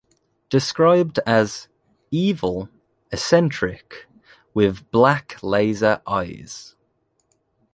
Described as "evil, eccentric" with "black laser eyes.